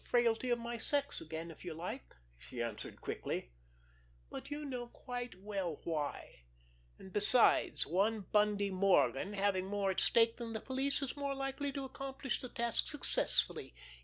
"You can put down my inconsistency to the frailty of my sex again, if you like," she answered quickly. "But you know quite well why. And, besides, one Bundy Morgan, having more at stake than the police, is more likely to accomplish the task successfully.